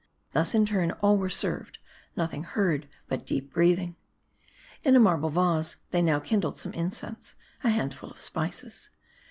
Thus, in turn, all were served \ nothing heard but deep breathing. In a marble vase they now kindled some incense : a handful of spices.